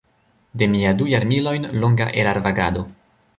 De mia du jarmilojn longa erarvagado.